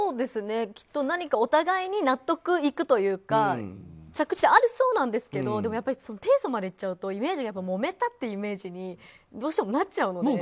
きっと何かお互いに納得がいくというか着地点ありそうなんですけどでも、提訴までいっちゃうともめたっていうイメージにどうしてもなっちゃうので。